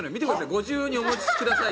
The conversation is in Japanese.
「ご自由にお持ち下さい」